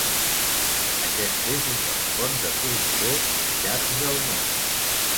Aquest és un dels ponts de formigó més llargs del món.